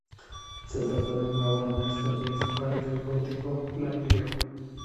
Se trata de una obra maestra principal del gótico flamígero.